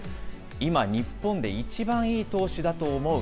今、日本で一番いい投手だと思う。